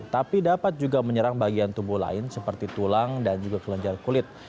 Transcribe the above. tapi dapat juga menyerang bagian tubuh lain seperti tulang dan juga kelenjar kulit